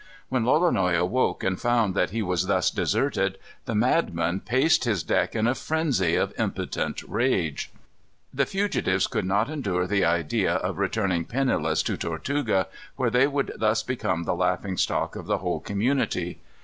When Lolonois awoke and found that he was thus deserted, the madman paced his deck in a frenzy of impotent rage. The fugitives could not endure the idea of returning penniless to Tortuga, where they would thus become the laughing stock of the whole community.